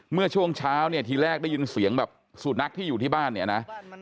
เมื่อช่วงเช้าเนี่ยทีแรกได้ยินเสียงแบบสุนัขที่อยู่ที่บ้านเนี่ยนะ